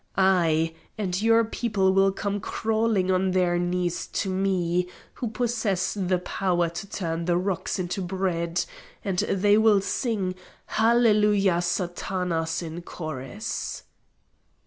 Ay, and your people will come crawling on their knees to me who possess the power to turn the rocks into bread, and they will sing 'Hallelujah Satanas!' in chorus."